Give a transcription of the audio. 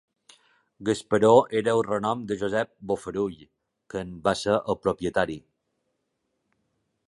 Gasparó era el renom de Josep Bofarull, que en va ser el propietari.